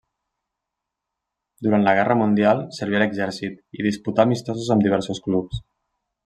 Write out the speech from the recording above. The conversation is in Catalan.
Durant la Guerra Mundial serví a l'exèrcit i disputà amistosos amb diversos clubs.